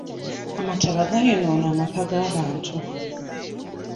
Amataba gaayonoona amaka g'abantu.